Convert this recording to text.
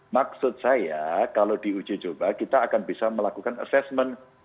maksud saya kalau diuji coba kita akan bisa melakukan assessment